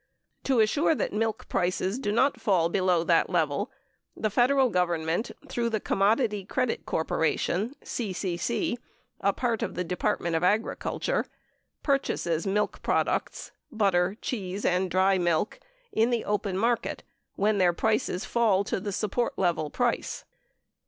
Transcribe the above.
™ To assure that milk prices do not fall below that level, the Federal Government, through the Commodity Credit Corporation, (CCC) a part of the Department of Agriculture, purchases milk products (butter, cheese, and dry milk) in the open market when their prices fall to the support level price.